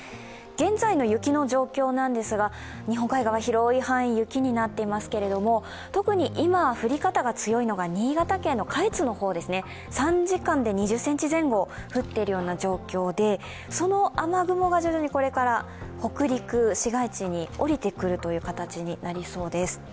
現在の雪の状況なんですが、日本海側の広い範囲で雪になっていますけれども、特に今降り方が強いのが新潟県の下越の方ですね、３時間で２０ｃｍ前後降っているような状況でその雨雲が徐々にこれから北陸市街地に下りてくるという形になりそうです。